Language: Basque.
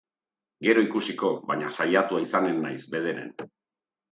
Gero ikusiko, baina saiatua izanen naiz, bederen!